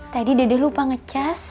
tadi dede lupa ngecas